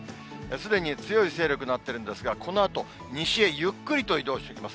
すでに強い勢力となってるんですが、このあと、西へゆっくりと移動していきます。